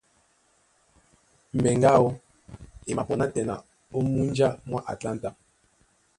Mbɛŋgɛ aó e mapɔ nátɛna ó múnja mwá Atlanta.